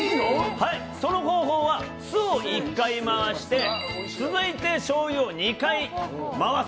その方法は酢を１回、回して続いてしょうゆを２回、回す。